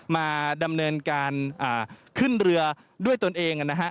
มาดำเนินการขึ้นเรือด้วยตนเองนะฮะ